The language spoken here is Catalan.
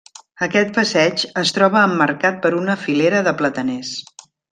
Aquest passeig es troba emmarcat per una filera de plataners.